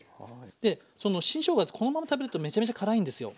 で新しょうがってこのまま食べるとめちゃめちゃ辛いんですよ。